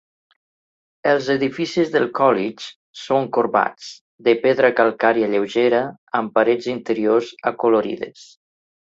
Els edificis del College són corbats, de pedra calcària lleugera amb parets interiors acolorides.